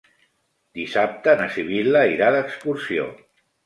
Dissabte na Sibil·la irà d'excursió.